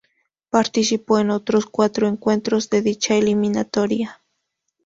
Participó en otros cuatro encuentros de dicha eliminatoria.